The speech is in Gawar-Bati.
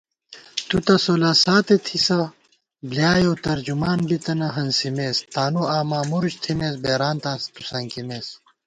تُوتہ سولہ ساتےتھِسہ بلیائېؤ ترجمان بِتَنہ ہنسِمېس * تانُوآما مُرُچ تھِمېس بېرانتاں تُوسنکِمېس